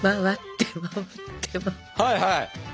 はいはい。